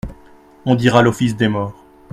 On dira l'office des morts.